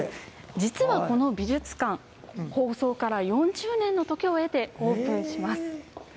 実はこの美術館、放送から４０年の時を経て、オープンします。